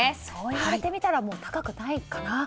そう言われてみたら高くないかな。